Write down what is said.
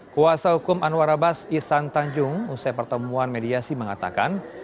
kuasa hukum anwar abbas isan tanjung usai pertemuan mediasi mengatakan